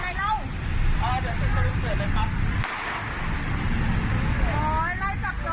มีอองค์ติ้นชุดทำไมไม่ลงจากรถว่า